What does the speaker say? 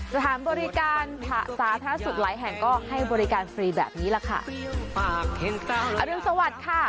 สถานบริการสาธารณสุขหลายแห่งก็ให้บริการฟรีแบบนี้แหละค่ะอรุณสวัสดิ์ค่ะ